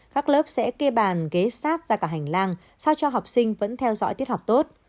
các lớp sẽ kê bàn ghế sát ra cả hành lang sao cho học sinh vẫn theo dõi tiết học tốt